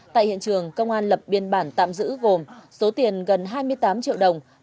tại hiện trường công an lập biên bản tạm giữ gồm số tiền gần hai mươi tám triệu đồng